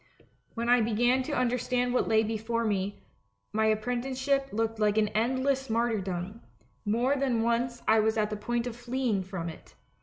When I began to understand what lay before me, my apprenticeship looked an endless martyrdom ; more than once I was at the point of fleeing from it.